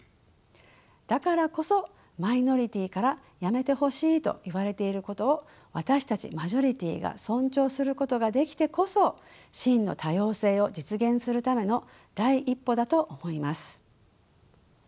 だからこそマイノリティーからやめてほしいと言われていることを私たちマジョリティーが尊重することができてこそ真の多様性を実現するための第一歩だと思います。